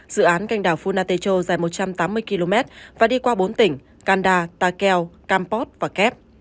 dự án canh đảo funatecho dài một trăm tám mươi km và đi qua bốn tỉnh kanda takeo kampot và kep